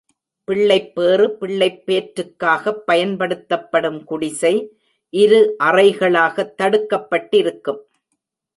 பிள்ளைப்பேறு பிள்ளைப் பேற்றுக்காகப் பயன்படுத்தப்படும் குடிசை, இரு அறைகளாகத் தடுக்கப்பட்டிருக்கும்.